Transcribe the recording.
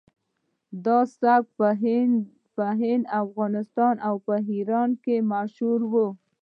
دا سبک په هند افغانستان او ایران کې مشهور و